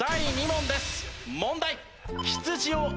問題。